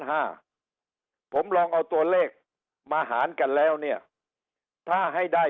ห้าผมลองเอาตัวเลขมาหารกันแล้วเนี่ยถ้าให้ได้